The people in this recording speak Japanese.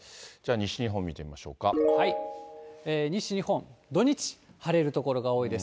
西日本、土日、晴れる所が多いです。